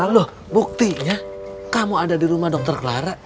halo buktinya kamu ada di rumah dr clara